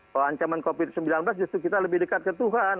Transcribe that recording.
kalau ancaman covid sembilan belas justru kita lebih dekat ke tuhan